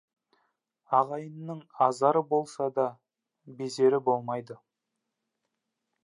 Ағайынның азары болса да, безері болмайды.